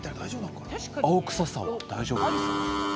青臭さも大丈夫ですか。